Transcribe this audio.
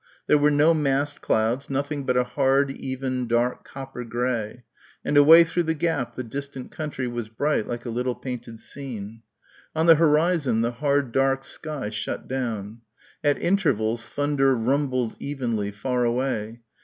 There were no massed clouds, nothing but a hard even dark copper grey, and away through the gap the distant country was bright like a little painted scene. On the horizon the hard dark sky shut down. At intervals thunder rumbled evenly, far away.